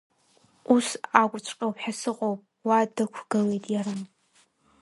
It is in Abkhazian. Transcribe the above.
Ус акәҵәҟьоуп ҳәа сыҟоуп, уа дықәгылеит иара.